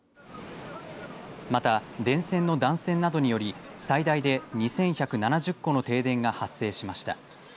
また、電線の断線などにより最大で２１７０戸の停電が発生しました。